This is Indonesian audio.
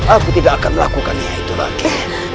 aku tidak akan melakukan hal itu lagi